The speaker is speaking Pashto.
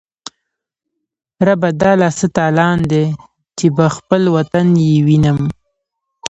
ربه دا لا څه تالان دی، چی به خپل وطن یې وینم